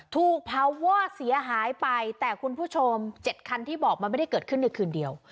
ถูกเผาวอดเสียหายไปแต่คุณผู้ชม๗คันที่บอกมันไม่ได้เกิดขึ้นในคืนเดียว